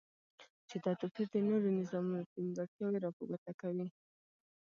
چی دا توپیر د نورو نظامونو نیمګرتیاوی را په ګوته کوی